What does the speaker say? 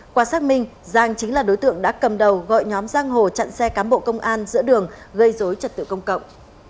qua xác minh giang chính là đối tượng đã cầm đầu gọi nhóm giang hồ chặn xe cám bộ công an giữa đường gây dối trật tự công cộng